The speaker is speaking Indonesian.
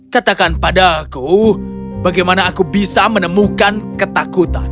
katakan padaku bagaimana aku bisa menemukan ketakutan